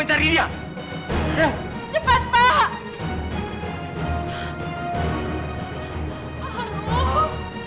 ala tidak oughtnya